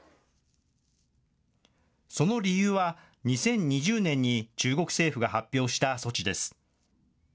その理由は、２０２０年に中国政府が発表した措置です。